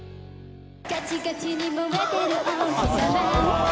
「カチカチに燃えてるおひさま」